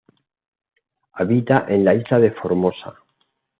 Habita en la isla de Formosa.